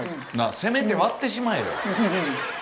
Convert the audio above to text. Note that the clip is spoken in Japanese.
せめて割ってしまえよ。